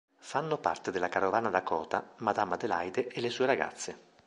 Fanno parte della carovana Dakota, Madame Adelaide e le sue ragazze.